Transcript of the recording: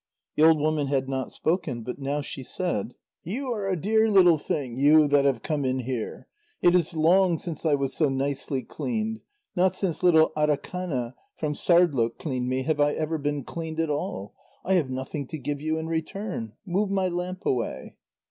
The old woman had not spoken, but now she said: "You are a dear little thing, you that have come in here. It is long since I was so nicely cleaned. Not since little Atakana from Sârdloq cleaned me have I ever been cleaned at all. I have nothing to give you in return. Move my lamp away."